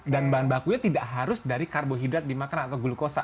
dan bahan bakunya tidak harus dari karbohidrat dimakan atau glukosa